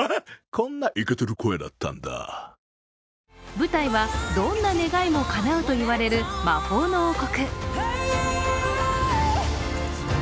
舞台はどんな願いもかなうといわれる魔法の王国。